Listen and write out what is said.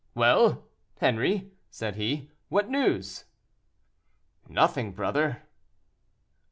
"Well! Henri," said he, "what news?" "Nothing, brother."